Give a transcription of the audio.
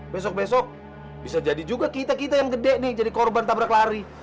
besok besok bisa jadi juga kita kita yang gede nih jadi korban tabrak lari